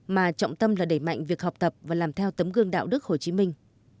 mà trọng tâm là đẩy mạnh việc học tập và làm theo tấm gương đạo đức hồ chí minh